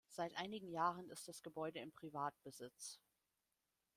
Seit einigen Jahren ist das Gebäude in Privatbesitz.